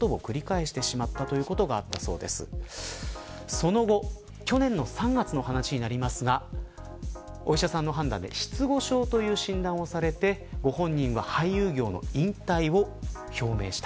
その後、去年の３月の話になりますがお医者さんの判断で失語症という診断をされてご本人は俳優業の引退を表明した。